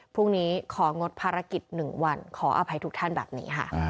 พรุ่งนี้ของงดภารกิจ๑วันขออภัยทุกท่านแบบนี้ค่ะ